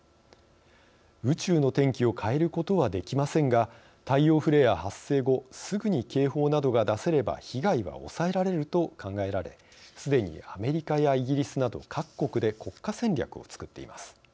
宇宙の天気を変えることはできませんが太陽フレア発生後すぐに警報などが出せれば被害は抑えられると考えられすでにアメリカやイギリスなど各国で国家戦略を作っています。